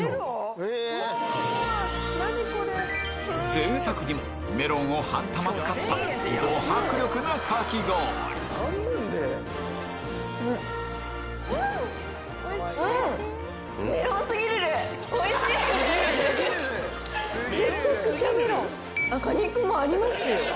贅沢にもメロンを半玉使ったど迫力なかき氷うん！果肉もありますよ。